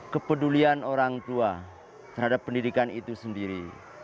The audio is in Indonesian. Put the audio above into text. kepedulian orang tua terhadap pendidikan itu sendiri